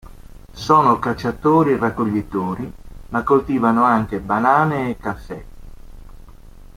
Sono cacciatori-raccoglitori, ma coltivano anche banane e caffè.